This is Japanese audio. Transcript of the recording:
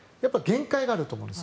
限界があると思うんです